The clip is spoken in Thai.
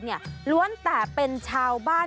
งานและฮราชลำเป็นชาวบ้าน